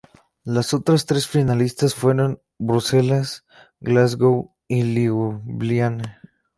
Las otras tres finalistas fueron: Bruselas, Glasgow y Liubliana.